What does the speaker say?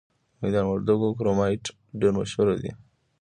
د میدان وردګو کرومایټ ډیر مشهور دی.